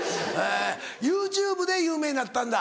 ＹｏｕＴｕｂｅで有名になったんだ。